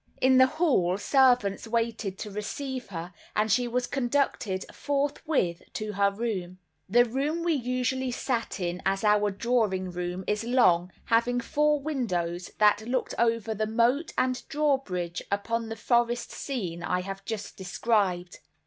In the hall, servants waited to receive her, and she was conducted forthwith to her room. The room we usually sat in as our drawing room is long, having four windows, that looked over the moat and drawbridge, upon the forest scene I have just described.